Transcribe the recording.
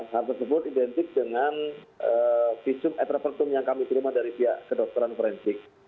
hal tersebut identik dengan visum et repertum yang kami terima dari pihak kedokteran forensik